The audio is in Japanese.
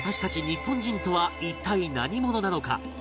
日本人とは一体何者なのか